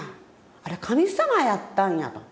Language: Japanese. あれ神様やったんやと。